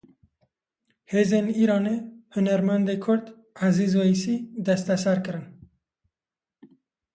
Hêzên Îranê hunermendê Kurd Ezîz Weysî desteser kirin.